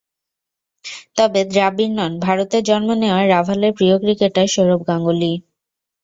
তবে দ্রাবিড় নন, ভারতে জন্ম নেওয়া রাভালের প্রিয় ক্রিকেটার সৌরভ গাঙ্গুলী।